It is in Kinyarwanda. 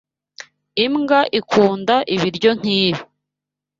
Imbwa ikunda ibiryo nkibi.